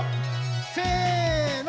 せの！